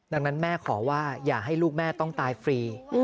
ดังนั้นแม่ขอว่าอย่าให้ลูกแม่ต้องตายฟรี